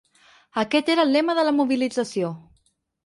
Aquest era el lema de la mobilització.